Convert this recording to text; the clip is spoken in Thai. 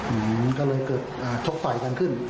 อืมก็เลยเกิดอ่าชกต่อยกันขึ้น